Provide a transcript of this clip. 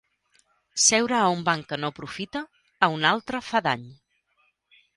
Seure a un banc que no aprofita a un altre fa dany.